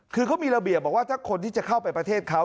คือเขามีระเบียบบอกว่าถ้าคนที่จะเข้าไปประเทศเขา